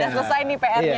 sudah selesai nih pr nya